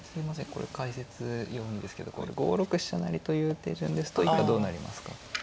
これ解説用にですけど５六飛車成という手順ですと以下どうなりますか？